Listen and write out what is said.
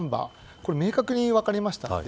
これが明確に分かりました。